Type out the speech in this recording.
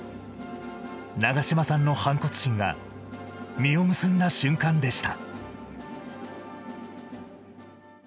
長嶋さんの反骨心が実を結んだ瞬間でした。